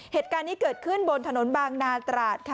เหตุการณ์นี้เกิดขึ้นบนถนนบางนาตราดค่ะ